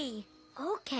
オッケー。